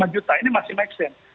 dua puluh lima juta ini masih make sense